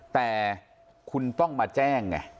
แต่คุณต้องมาแจ้งไง